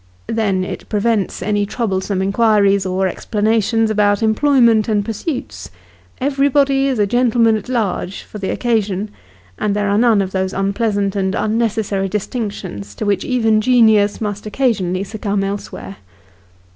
Then it prevents any troublesome inquiries or explanations about employment and pursuits ; everybody is a gentleman at large, for the occasion, and there are none of those unpleasant and unnecessary distinctions to which even genius must occasionally succumb elsewhere.